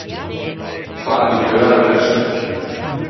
Fâ do cheu à unna persoña.